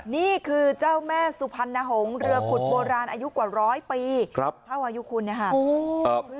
นี่คือเจ้าแม่สุพรรณหงษ์เรือขุดโบราณอายุกว่าร้อยปีเท่าอายุคุณนะครับ